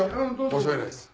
申し訳ないです。